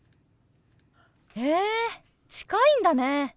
へえ近いんだね。